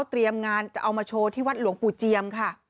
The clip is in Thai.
เตรียมงานจะเอามาโชว์ที่วัดหลวงปู่เจียมค่ะ